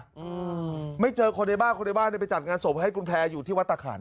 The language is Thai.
อืมไม่เจอคนในบ้านคนในบ้านเนี้ยไปจัดงานศพให้คุณแพร่อยู่ที่วัดตะขัน